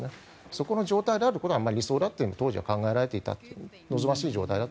そこの状態であることが理想だと当時は考えられていたと。